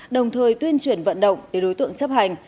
đồng thời tuyên truyền vận động để đối tượng chấp hành